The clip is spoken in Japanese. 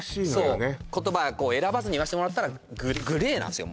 そう言葉選ばずに言わせてもらったらグレーなんすよ